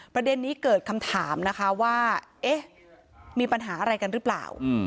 ประเด็นนี้เกิดคำถามนะคะว่าเอ๊ะมีปัญหาอะไรกันหรือเปล่า